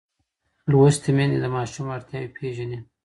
لوستې میندې د ماشوم اړتیاوې پېژني.